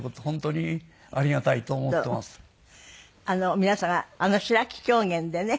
皆様あの白木狂言でねあれ